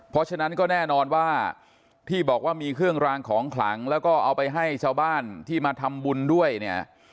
เพราะฉะนั้นก็แน่นอนว่าที่บอกว่ามีเครื่องรางของขลังแล้วก็เอาไปให้ชาวบ้านที่มาทำบุญด้วยเนี่ย